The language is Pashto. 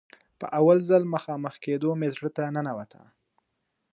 په اول ځل مخامخ کېدو مې زړه ته ننوته.